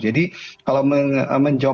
jadi kalau menjawab pertanyaan